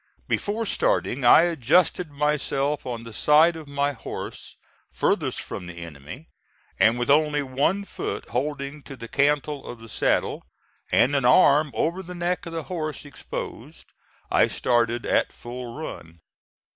Before starting I adjusted myself on the side of my horse furthest from the enemy, and with only one foot holding to the cantle of the saddle, and an arm over the neck of the horse exposed, I started at full run.